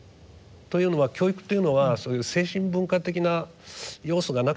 というのは教育というのはそういう精神文化的な要素がなくちゃならない。